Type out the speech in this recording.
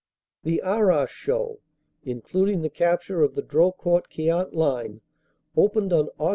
The Arras show, including the capture of the Drocourt Queant line, opened on Aug.